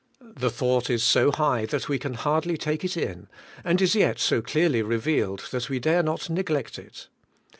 The thought is so high that we can hardly take it in, and is yet so clearly revealed, that we dare not neglect it.